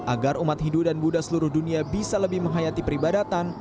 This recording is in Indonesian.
agar umat hindu dan buddha seluruh dunia bisa lebih menghayati peribadatan